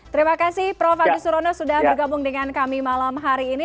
terima kasih prof agus surono sudah bergabung dengan kami malam hari ini